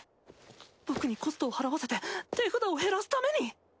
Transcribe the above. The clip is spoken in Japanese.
僕にコストを払わせて手札を減らすために？